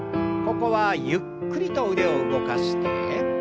ここはゆっくりと腕を動かして。